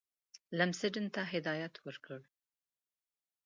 لمسډن ته هدایت ورکړ.